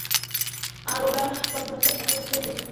আর ওরা ক্লোভারকে বাইরে ছেঁড়ে দিয়েছে।